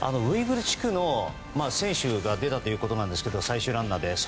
ウイグル地区の選手が出たということですが最終ランナーで。